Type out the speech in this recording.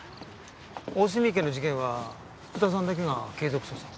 大澄池の事件は福田さんだけが継続捜査を？